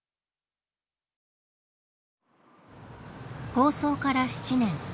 放送から７年。